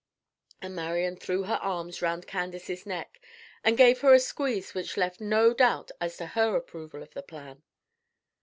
And Marian threw her arms round Candace's neck, and gave her a squeeze which left no doubt as to her approval of the plan.